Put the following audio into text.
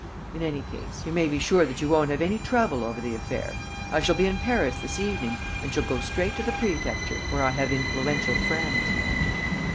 In any case, you may be sure that you won't have any trouble over the affair. I shall be in Paris this evening and shall go straight to the prefecture, where I have influential friends."